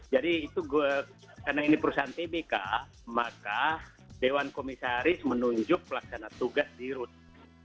jadi itu karena ini perusahaan pbk maka dewan komisaris menunjuk pelaksanaan tugas di rute